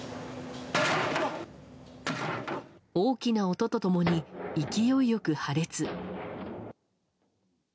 大きな音と共に勢いよく破裂。